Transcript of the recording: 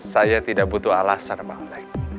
saya tidak butuh alasan pak alec